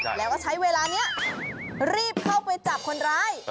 แล้วก็ใช้เวลานี้รีบเข้าไปจับคนร้าย